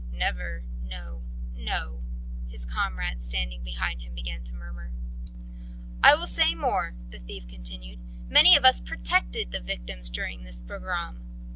"Never ... No ... No ...," his comrades standing behind him began to murmur. "I will say more," the thief continued. "Many of us protected the victims during this pogrom.